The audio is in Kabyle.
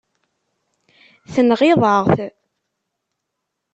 Tenɣiḍ-aɣ-t.